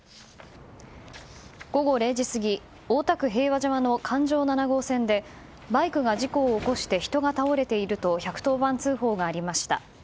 午後０時過ぎ大田区平和島の環状７号線でバイクが事故を起こして人が倒れていると１１０番通報がありました。